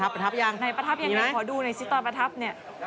ไหนประทับยังไงขอดูหน่อยสิตอนประทับเนี่ย